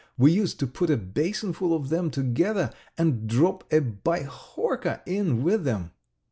We used to put a basinful of them together and drop a bihorka in with them."